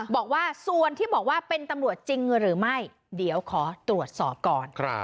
บอกว่าส่วนที่บอกว่าเป็นตำรวจจริงหรือไม่เดี๋ยวขอตรวจสอบก่อน